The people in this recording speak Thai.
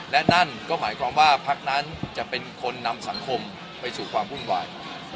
และนั่นก็หมายความว่าพักนั้นจะเป็นคนนำสังคมไปสู่ความวุ่นวาย